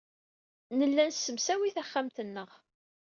Nella nessemsaway taxxamt-nneɣ.